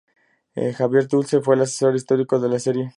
Javier Tusell fue el asesor histórico de la serie.